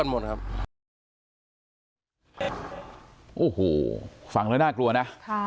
โอ้โหฟังแล้วน่ากลัวนะ